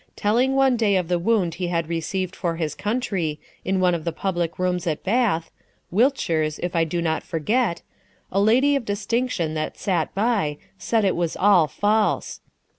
Telling one day of the wound he had received for his country, in one of the public rooms at Bath (Wiltshire's, if I do not forget), a lady of distinction that sat by, said it was all false.